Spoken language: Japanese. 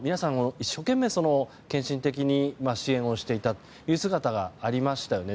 一生懸命献身的に支援をしていた姿がありましたよね。